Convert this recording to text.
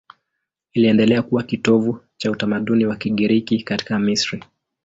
Iliendelea kuwa kitovu cha utamaduni wa Kigiriki katika Misri.